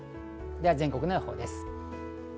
全国の予報です。